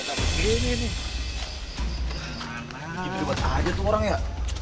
kelabar aja tuh orangnya